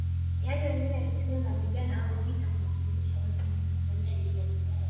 Yani wengine walitumia mapigano au vita kuwafurusha wazungu